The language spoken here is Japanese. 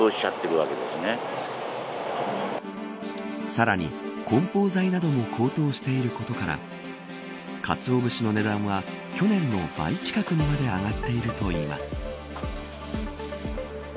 さらに梱包材なども高騰していることから鰹節の値段は去年の倍近くにまで上がっているといいます。